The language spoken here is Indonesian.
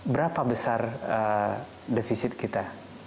berapa besar defisit kita